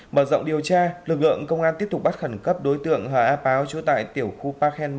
mở rộng điều tra lực lượng công an tiếp tục bắt khẩn cấp đối tượng hà a páo chú tại tiểu khu park hen một